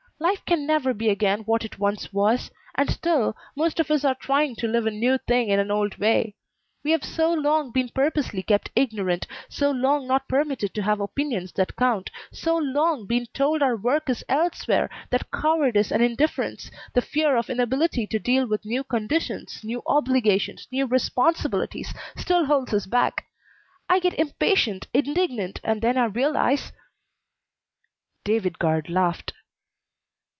Life can never be again what it once was, and still, most of us are trying to live a new thing in an old way. We have so long been purposely kept ignorant, so long not permitted to have opinions that count, so long been told our work is elsewhere, that cowardice and indifference, the fear of inability to deal with new conditions, new obligations, new responsibilities, still holds us back. I get impatient, indignant, and then I realize " David Guard laughed.